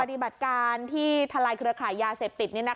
ปฏิบัติการที่ทลายเครือขายยาเสพติด